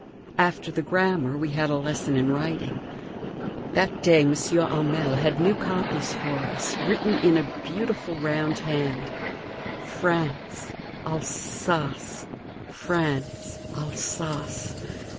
After the grammar, we had a lesson in writing. That day M. Hamel had new copies for us, written in a beautiful round hand: France, Alsace, France, Alsace.